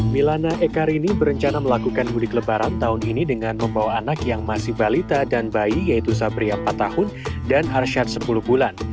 milana ekarini berencana melakukan mudik lebaran tahun ini dengan membawa anak yang masih balita dan bayi yaitu sabria empat tahun dan arsyad sepuluh bulan